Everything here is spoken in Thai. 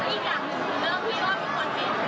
คุณผู้สามารถได้คิดคุณผู้สามารถได้คิด